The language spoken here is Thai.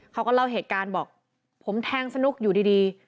เขาก็เล่าเหตุการณ์บอกผมแทงสนุกอยู่ดี